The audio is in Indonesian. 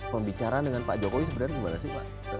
pembicaraan dengan pak jokowi sebenarnya gimana sih pak